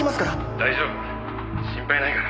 「大丈夫心配ないから」